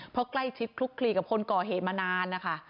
เพราะใกล้ชิดคลุกคลีกับคนก่อเหตุมานานนะคะ